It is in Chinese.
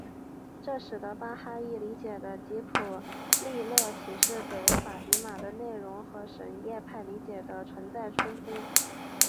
这使得巴哈伊理解的吉卜利勒启示给法蒂玛的内容和什叶派理解的存在冲突。